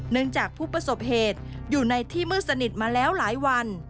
จากผู้ประสบเหตุอยู่ในที่มืดสนิทมาแล้วหลายวัน